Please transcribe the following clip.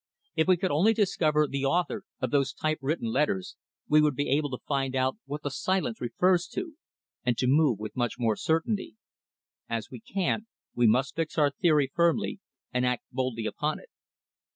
If we could only discover the author of those type written letters we would be able to find out what the Silence refers to, and to move with much more certainty. As we can't, we must fix our theory firmly and act boldly upon it."